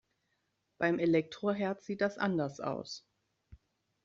Beim Elektroherd sieht das anders aus.